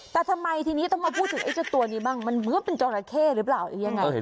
แต่ทำไมทีนี้ต้องมาพูดถึงไอ้เจ้าตัวนี้บ้างมันเหมือนเป็นจราเข้หรือเปล่าหรือยังไง